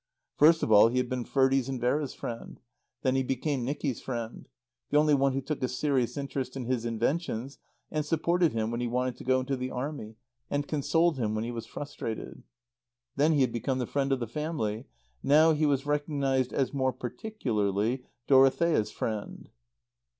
First of all he had been Ferdie's and Vera's friend. Then he became Nicky's friend; the only one who took a serious interest in his inventions and supported him when he wanted to go into the Army and consoled him when he was frustrated. Then he had become the friend of the family. Now he was recognized as more particularly Dorothea's friend.